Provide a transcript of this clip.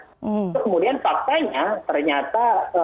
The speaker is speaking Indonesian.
itu kemudian faktanya ternyata